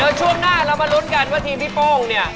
เดี๋ยวช่วงหน้าเรามาลุ้นกันว่าทีมพี่โป้งเนี่ย